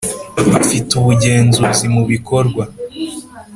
Afite ubugenzuzi mu bikorwa.